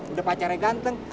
udah pacarnya ganteng